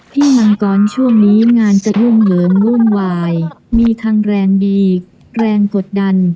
มังกรช่วงนี้งานจะยุ่งเหยิงวุ่นวายมีทั้งแรงดีแรงกดดัน